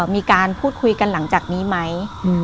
มีการพูดคุยกันหลังจากนี้ไหม